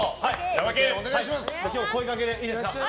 今日も声かけ、いいですか。